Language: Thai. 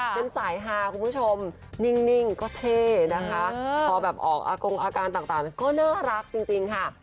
เป็นสายฮาคุณผู้ชมนิ่งก็เท่นะคะพอแบบออกอากงอาการต่างก็น่ารักจริงค่ะ